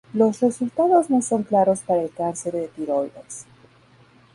Los resultados no son claros para el cáncer de tiroides.